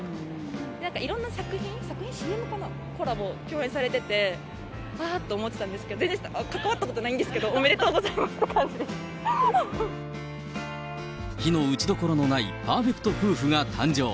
いろんな作品、ＣＭかな、コラボ、共演されてて、わーって思ってたんですけど、全然関わったことないんですけど、おめでとうございますって感じで非の打ちどころのないパーフェクト夫婦が誕生。